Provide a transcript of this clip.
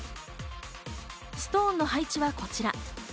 ストーンの配置はこちら。